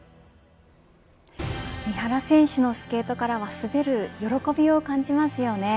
三原選手のスケートからは滑る喜びを感じますよね。